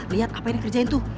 lihat apa yang dikerjain tuh